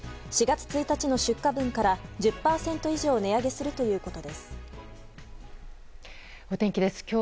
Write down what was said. ４月１日の出荷分から１０％以上値上げするということです。